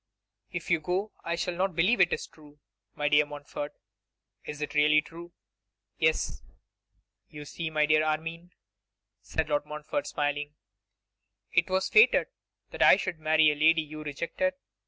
'If you go I shall not believe it is true. My dear Montfort, is it really true?' 'You see, my dear Armine,' said Lord Montfort, smiling, 'it was fated that I should marry a lady you rejected.